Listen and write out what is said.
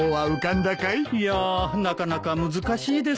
いやあなかなか難しいです。